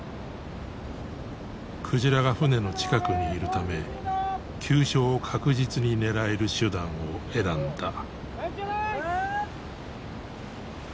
鯨が船の近くにいるため急所を確実に狙える手段を選んだ。